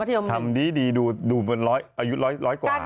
ทำดีดีดูดูอยู่ระยุดร้อยกว่า